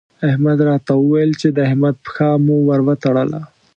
احمد راته وويل چې د احمد پښه مو ور وتړله.